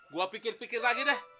gue pikir pikir lagi deh